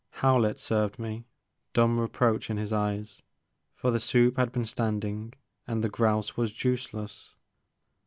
Howlett served me, dumb reproach in his eyes, for the soup had been standing and the grouse was juiceless.